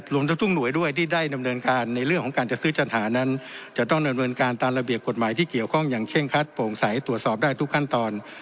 รวมทุกหน่วยด้วยที่ได้ดำเนินการในเรื่องของการจัดซื้อจัดหานั้นจะต้องดำเนินการตามระเบียบกฎหมายที่เกี่ยวข้องอย่างเคร่งคัดโปร่งใสตรวจสอบได้ทุกขั้นตอน